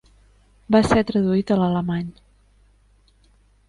Va ser traduït a l'alemany.